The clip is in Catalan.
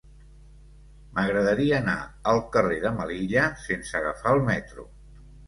M'agradaria anar al carrer de Melilla sense agafar el metro.